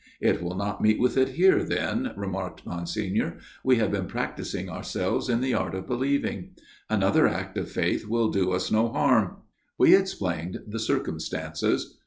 " It will not meet with it here, then," remarked Monsignor. " We have been practising ourselves in the art of believing. Another act of faith will do us no harm." We explained the circumstances.